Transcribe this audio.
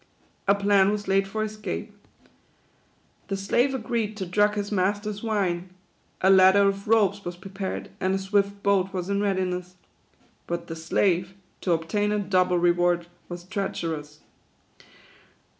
A plan was laid for escape. The slave agreed to THE QUADROONS. 7 5 drug his master's wine ; a ladder of ropes was pre pared, and a swift boat was in readiness. But the slave, to obtain a double reward, was treacherous.